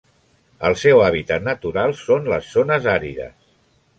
El seu hàbitat natural són les zones àrides.